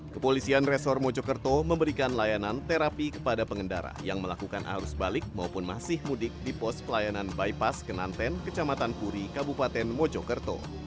kepolisian resor mojokerto memberikan layanan terapi kepada pengendara yang melakukan arus balik maupun masih mudik di pos pelayanan bypass kenanten kecamatan kuri kabupaten mojokerto